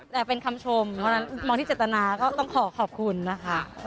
แต่เป็นคำชมเพราะฉะนั้นมองที่เจตนาก็ต้องขอขอบคุณนะคะ